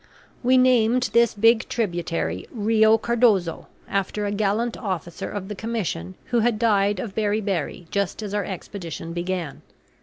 We named this big tributary Rio Cardozo, after a gallant officer of the commission who had died of beriberi just as our expedition began.